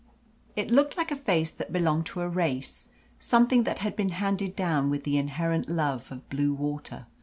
It looked like a face that belonged to a race, something that had been handed down with the inherent love of blue water.